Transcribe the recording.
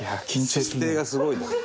設定がすごいな。